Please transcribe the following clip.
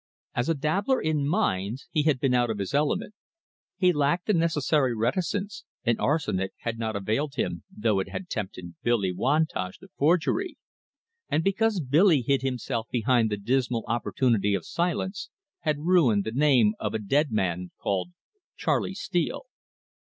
As a dabbler in mines he had been out of his element. He lacked the necessary reticence, and arsenic had not availed him, though it had tempted Billy Wantage to forgery; and because Billy hid himself behind the dismal opportunity of silence, had ruined the name of a dead man called Charley Steele.